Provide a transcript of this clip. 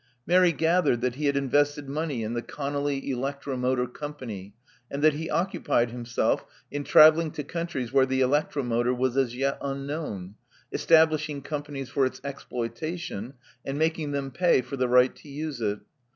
Mary gathered that he had invested money in the Conolly Electro Motor Company, and that he occupied himself in travelling to countries where the electro motor was as yet unknown; establishing companies for its exploitation ; and making them pay for the right to use it.